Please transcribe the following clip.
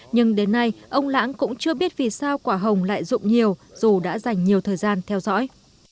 nhưng đến nay ông lãng cũng chưa biết vì sao quả hồng lại dụng nhiều dù đã dành nhiều thời gian theo dõi